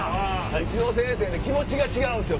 うちの先生気持ちが違うんすよ